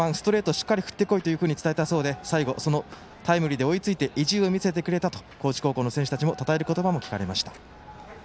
しっかり振ってこいと話していたそうで最後、タイムリーで追いついて意地を見せてくれたと高知高校の選手たちをたたえる言葉も聞かれました。